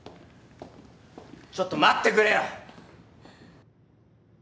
ちょっと待ってくれよ！